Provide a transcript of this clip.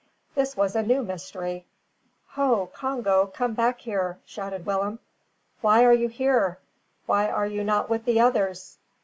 This was a new mystery. "Ho Congo! come back here," shouted Willem. "Why are you here? Why are you not with the others?"